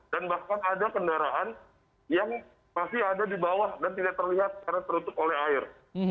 dan bahkan ada kendaraan yang masih ada di bawah dan tidak terlihat karena terutup oleh air